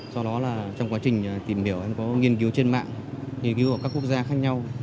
sau đó trong quá trình tìm hiểu em có nghiên cứu trên mạng nghiên cứu ở các quốc gia khác nhau